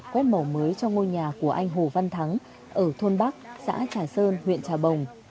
quét màu mới cho ngôi nhà của anh hồ văn thắng ở thôn bắc xã trà sơn huyện trà bồng